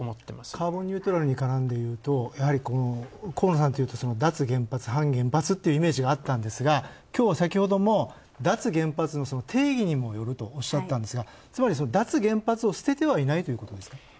カーボンニュートラルに絡んで言うと河野さんっていうと脱原発、反原発っていうイメージがあったんですがきょうは先ほども脱原発の定義にもよるとおっしゃったんですが、脱原発は捨ててないということですか？